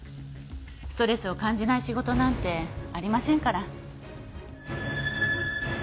ストレスを感じない仕事なんてありませんから。